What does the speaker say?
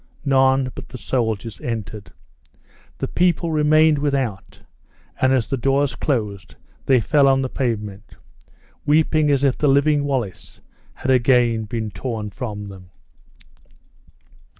None but the soldiers entered. The people remained without, and as the doors closed they fell on the pavement, weeping as if the living Wallace had again been torn from them.